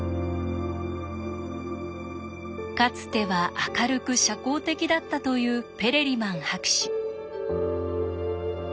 かつては明るく社交的だったというペレリマン博士。